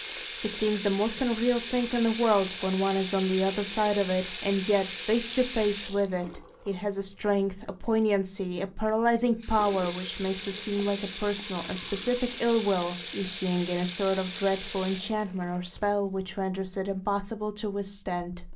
It seems the most unreal thing in the world, when one is on the other side of it; and yet face to face with it, it has a strength, a poignancy, a paralysing power, which makes it seem like a personal and specific ill will, issuing in a sort of dreadful enchantment or spell, which renders it impossible to withstand.